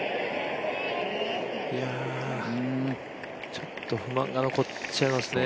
ちょっと不安が残っちゃいますね。